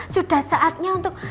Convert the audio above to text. sudah saatnya untuk